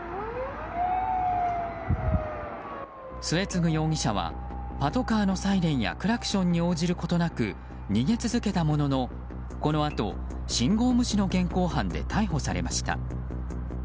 末次容疑者はパトカーのサイレンやクラクションに応じることなく逃げ続けたもののこのあと、信号無視の現行犯で逮捕されました。